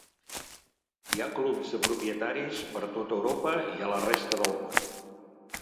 Hi ha clubs de propietaris per tot Europa i a la resta del món.